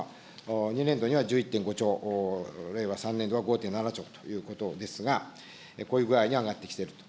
２年度には１１．５兆、令和３年度５．７兆ということですが、こういう具合に上がってきていると。